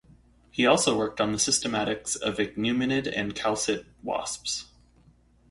He also worked on the systematics of ichneumonid and chalcid wasps.